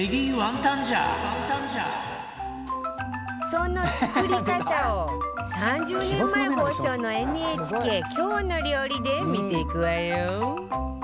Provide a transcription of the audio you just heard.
その作り方を３０年前放送の ＮＨＫ『きょうの料理』で見ていくわよ